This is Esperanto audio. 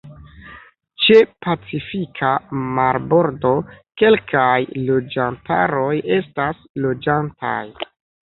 Ĉe Pacifika marbordo kelkaj loĝantaroj estas loĝantaj.